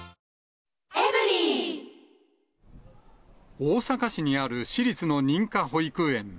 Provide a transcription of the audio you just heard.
大阪市にある私立の認可保育園。